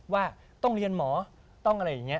ว่าต้องเรียนหมอต้องอะไรอย่างนี้